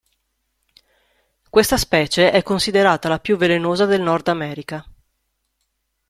Questa specie è considerata la più velenosa del nord America.